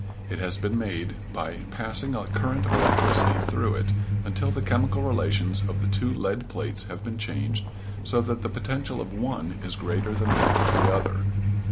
It has been made by passing a current of electricity through it until the chemical relations of the two lead plates have been changed so that the potential of one is greater than that of the other.